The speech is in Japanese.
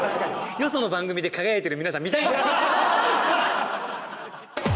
よその番組で輝いてる皆さん見たいんです。